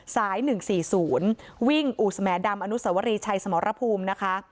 สายหนึ่งสี่ศูนย์วิ่งอุศแมดำอนุสวรีชัยสมรพภูมินะคะ